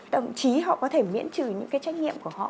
thậm chí họ có thể miễn trừ những cái trách nhiệm của họ